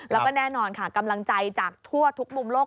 แล้วก็แน่นอนค่ะกำลังใจจากทั่วทุกมุมโลก